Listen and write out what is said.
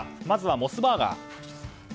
まずはモスバーガー。